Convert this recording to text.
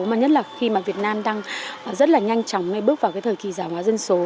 mà nhất là khi mà việt nam đang rất là nhanh chóng bước vào thời kỳ giàu hóa dân số